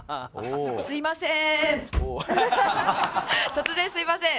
突然すいません。